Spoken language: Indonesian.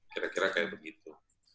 kira kira kayak begitu